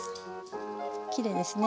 きれいですね。